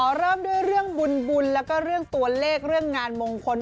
เริ่มด้วยเรื่องบุญแล้วก็เรื่องตัวเลขเรื่องงานมงคล